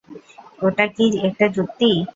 ওটা কি একটা যুক্তি!